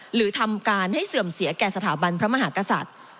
หรือทำการให้เสื่อมเสียแก่สถาบันพระมหากษัตริย์